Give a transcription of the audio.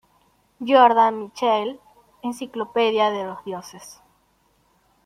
Jordan Michael, Enciclopedia de los dioses.